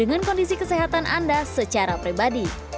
dengan kondisi kesehatan anda secara pribadi